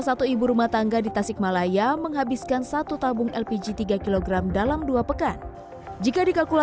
sementara masak harus setiap hari ya bu